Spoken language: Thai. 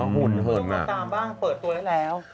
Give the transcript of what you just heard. ตุปุกต่อตามว่าเปิดตัวได้แล้ว